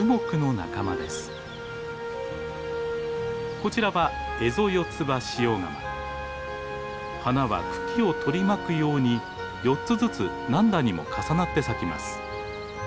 こちらは花は茎を取り巻くように４つずつ何段にも重なって咲きます。